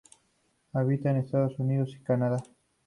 Habita en Estados Unidos y Canadá.